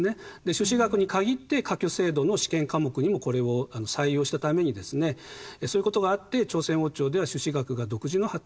朱子学に限って科挙制度の試験科目にもこれを採用したためにですねそういうことがあって朝鮮王朝では朱子学が独自の発展を遂げました。